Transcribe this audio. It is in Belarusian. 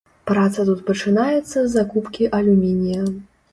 Праца тут пачынаецца з закупкі алюмінія.